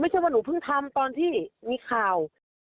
ว่าหนูเพิ่งทำตอนที่มีข่าว